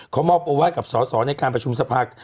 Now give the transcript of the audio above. เขามอบโอวาสกับสอสอในการประชุมสภา